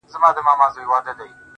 د بشريت له روحه وباسه ته~